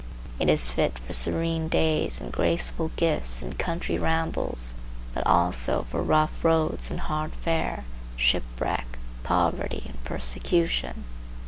It is fit for serene days and graceful gifts and country rambles, but also for rough roads and hard fare, shipwreck, poverty, and persecution.